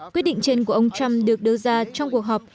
quyết định trên của ông trump được đưa ra trong cuộc họp